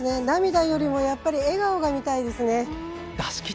涙よりも、やっぱり笑顔が見たいですね。